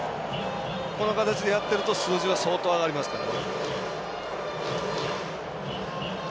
この形でやっていると数字は相当上がりますから。